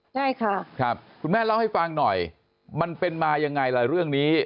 ใช่ค่ะครับคุณแม่เล่าให้ฟังหน่อยมันเป็นมายังไงล่ะเรื่องนี้